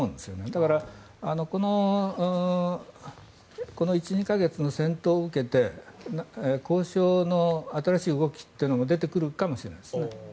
だからこの１２か月の戦闘を受けて交渉の新しい動きというのも出てくるかもしれないですね。